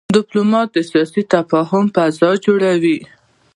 ډيپلومات د سیاسي تفاهم فضا جوړوي.